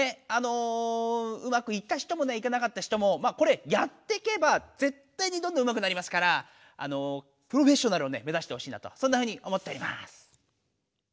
うまくいった人もいかなかった人もこれやってけば絶対にどんどんうまくなりますからプロフェッショナルを目ざしてほしいなとそんなふうに思っております。